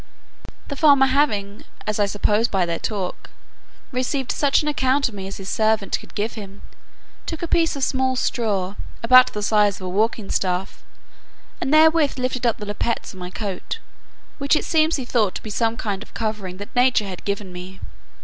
The farmer having (as I suppose by their talk) received such an account of me as his servant could give him, took a piece of a small straw, about the size of a walking staff, and therewith lifted up the lappets of my coat; which it seems he thought to be some kind of covering that nature had given me.